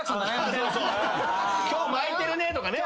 今日巻いてるねとかね。